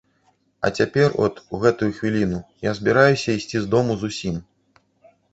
А цяпер от, у гэтую хвіліну, я збіраюся ісці з дому зусім.